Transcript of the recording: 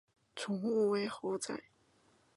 宠物为猴仔。